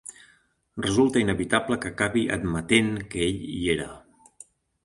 Resulta inevitable que acabi admetent que ell hi era.